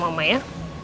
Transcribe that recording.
buat sama mama ya